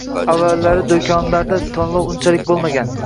Avvallari do‘konlarda tanlov unchalik bo‘lmagan